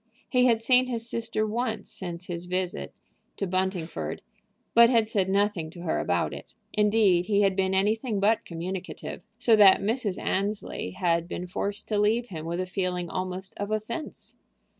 He had seen his sister once since his visit to Buntingford, but had said nothing to her about it. Indeed, he had been anything but communicative, so that Mrs. Annesley had been forced to leave him with a feeling almost of offense.